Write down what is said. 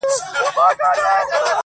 انسانيت له ازموينې تېريږي سخت،